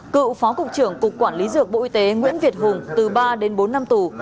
cựu phó cục trưởng cục quản lý dược bộ y tế nguyễn việt hùng từ ba đến bốn năm tù